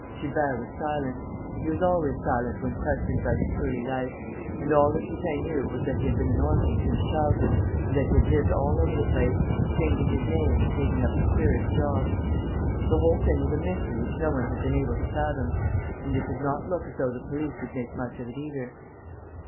Gilbert was silent. He was always silent when questioned about his early life; and all that Lupin knew was that he had been an orphan since childhood and that he had lived all over the place, changing his name and taking up the queerest jobs. The whole thing was a mystery which no one had been able to fathom; and it did not look as though the police would make much of it either.